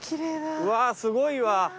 うわーすごいわ。